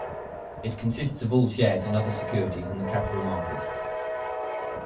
It consists of all shares and other securities in the capital market.